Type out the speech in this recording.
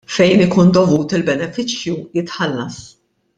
Fejn ikun dovut il-benefiċċju jitħallas.